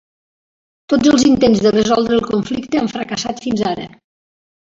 Tots els intents de resoldre el conflicte han fracassat fins ara.